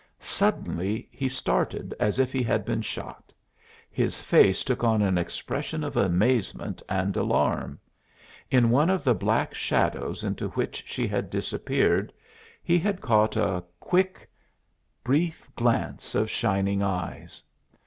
Suddenly he started as if he had been shot; his face took on an expression of amazement and alarm: in one of the black shadows into which she had disappeared he had caught a quick, brief glimpse of shining eyes!